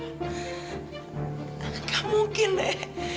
nggak mungkin nek